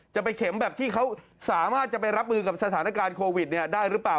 จะไปเข็มแบบที่เขาสามารถจะไปรับมือกับสถานการณ์โควิดได้หรือเปล่า